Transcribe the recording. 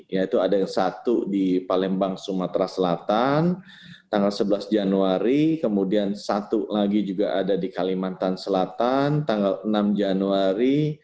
yaitu ada yang satu di palembang sumatera selatan tanggal sebelas januari kemudian satu lagi juga ada di kalimantan selatan tanggal enam januari